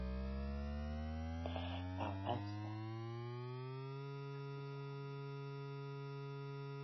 Gradually he got closer to the positions of the Albanian Party of Labour.